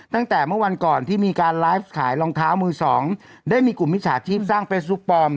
ตั้งแต่เมื่อวันก่อนที่มีการไลฟ์ขายรองเท้ามือสองได้มีกลุ่มมิจฉาชีพสร้างเฟซบุ๊คปลอม